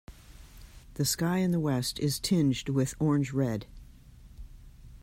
The sky in the west is tinged with orange red.